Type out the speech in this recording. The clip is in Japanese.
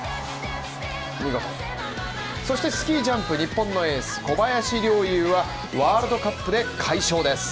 そしてスキージャンプ日本のエース小林陵侑はワールドカップで快勝です。